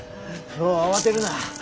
そう慌てるな。